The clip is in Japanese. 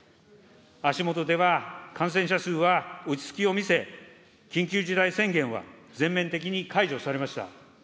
足下では、感染者数は落ち着きを見せ、緊急事態宣言は全面的に解除されました。